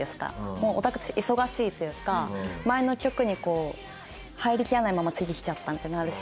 もうオタク忙しいというか前の曲に入りきらないまま次来ちゃったってなるし。